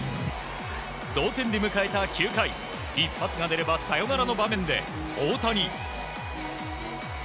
同点で迎えた９回、一発が出ればサヨナラの場面で大谷。